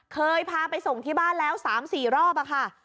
เคยพาไปส่งที่บ้านแล้ว๓๔รอบค่ะ